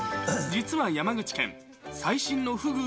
実は山口県、最新のフグ